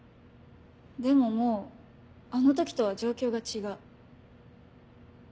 でももうあの時とは状況が違う。